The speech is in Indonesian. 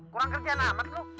kurang kerjaan amat lo